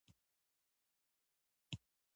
ایا په بدن کې فلز لرئ؟